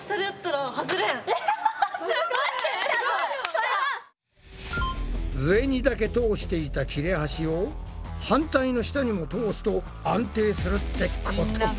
これさ上にだけ通していた切れ端を反対の下にも通すと安定するってことか？